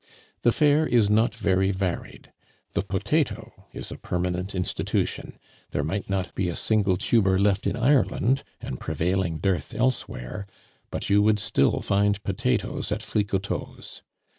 The fare is not very varied. The potato is a permanent institution; there might not be a single tuber left in Ireland, and prevailing dearth elsewhere, but you would still find potatoes at Flicoteaux's.